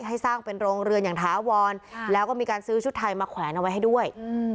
ให้สร้างเป็นโรงเรือนอย่างถาวรแล้วก็มีการซื้อชุดไทยมาแขวนเอาไว้ให้ด้วย